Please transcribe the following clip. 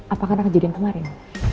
apakah ada kejadian kemarin